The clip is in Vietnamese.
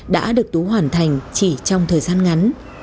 đã được tú hoàn thành chỉ trong thời gian ngắn